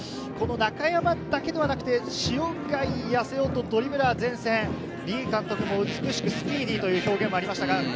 中山だけではなくて、塩貝、八瀬尾とドリブラー前線、李監督の美しくスピーディーにという表現がありました。